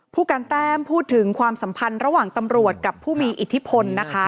ผู้การแต้มพูดถึงความสัมพันธ์ระหว่างตำรวจกับผู้มีอิทธิพลนะคะ